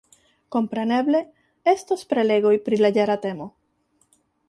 Kompreneble, estos prelegoj pri la jara temo.